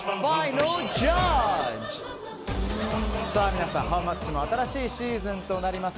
皆さん、ハウマッチも新しいシーズンとなります。